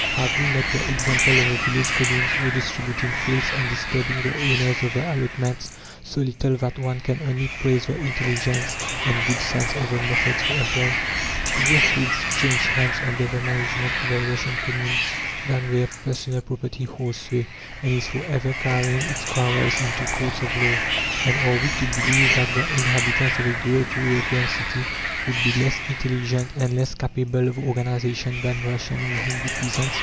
Have we not the example of the village communes redistributing fields and disturbing the owners of the allotments so little that one can only praise the intelligence and good sense of the methods they employ? Fewer fields change hands under the management of the Russian Commune than where personal property holds sway, and is for ever carrying its quarrels into courts of law. And are we to believe that the inhabitants of a great European city would be less intelligent and less capable of organization than Russian or Hindoo peasants?